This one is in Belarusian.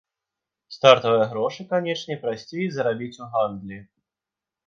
Стартавыя грошы, канечне, прасцей зарабіць у гандлі.